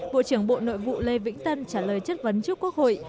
bộ trưởng bộ nội vụ lê vĩnh tân trả lời chất vấn trước quốc hội